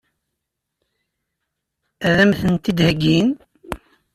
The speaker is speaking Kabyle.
Ad m-tent-id-heggin?